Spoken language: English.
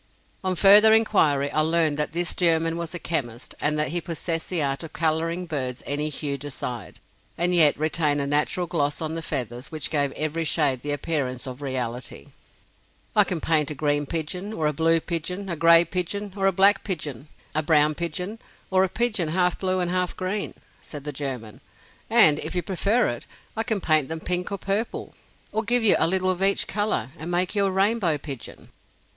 On further inquiry, I learned that this German was a chemist, and that he possessed the art of coloring birds any hue desired, and yet retain a natural gloss on the feathers, which gave every shade the appearance of reality. "I can paint a green pigeon or a blue pigeon, a gray pigeon or a black pigeon, a brown pigeon or a pigeon half blue and half green," said the German; "and if you prefer it, I can paint them pink or purple, or give you a little of each color, and make you a rainbow pigeon."